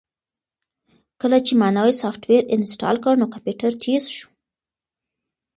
کله چې ما نوی سافټویر انسټال کړ نو کمپیوټر تېز شو.